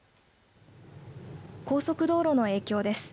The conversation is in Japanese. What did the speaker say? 高速道路の影響です。